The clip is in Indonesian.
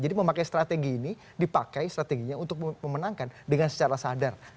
jadi memakai strategi ini dipakai strateginya untuk memenangkan dengan secara sadar